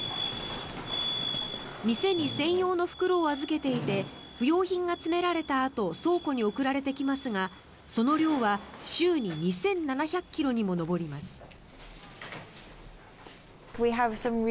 店に専用の袋を預けていて不要品が詰められたあと倉庫に送られてきますがその量は週に２７００ｋｇにも及びます。